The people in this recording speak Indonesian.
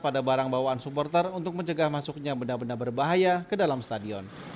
pada barang bawaan supporter untuk mencegah masuknya benda benda berbahaya ke dalam stadion